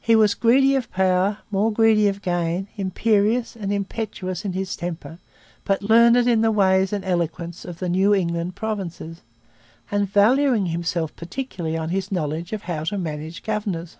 He was 'greedy of power, more greedy of gain, imperious and impetuous in his temper, but learned in the ways and eloquence of the New England provinces, and valuing himself particularly on his knowledge of how to manage governors.'